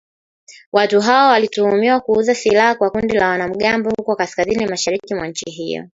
Watu hao walituhumiwa kuuza silaha kwa kundi la wanamgambo huko kaskazini mashariki mwa nchi hiyo